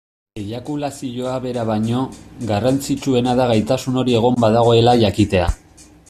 Eiakulazioa bera baino, garrantzitsuena da gaitasun hori egon badagoela jakitea.